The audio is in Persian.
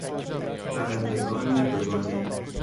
برندگان دوگانه